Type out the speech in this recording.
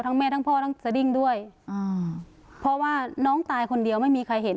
แม่ทั้งพ่อทั้งสดิ้งด้วยอ่าเพราะว่าน้องตายคนเดียวไม่มีใครเห็น